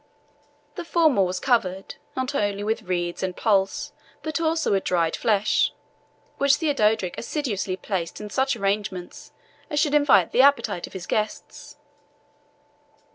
The former was covered, not only with reeds and pulse, but also with dried flesh, which Theodorick assiduously placed in such arrangement as should invite the appetite of his guests.